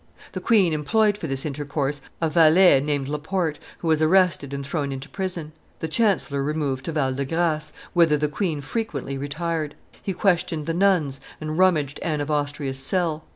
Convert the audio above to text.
The queen employed for this intercourse a valet named Laporte, who was arrested and thrown into prison. The chancellor removed to Val de Grace, whither the queen frequently retired; he questioned the nuns and rummaged Anne of Austria's cell.